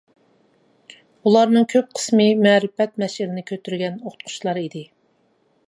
ئۇلارنىڭ كۆپ قىسمى مەرىپەت مەشئىلىنى كۆتۈرگەن ئوقۇتقۇچىلار ئىدى.